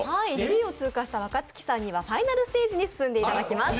１位を通過した若槻さんにはファイナルステージに進んでいただきます。